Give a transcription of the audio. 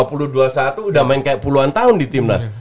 udah main kayak puluhan tahun di timnas